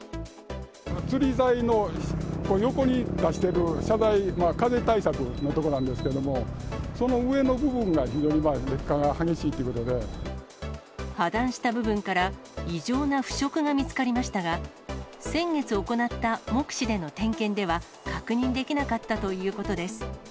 つり材の横に出してる風対策のところなんですけども、その上の部分が、非常に劣化が激しいと破断した部分から、異常な腐食が見つかりましたが、先月行った目視での点検では、確認できなかったということです。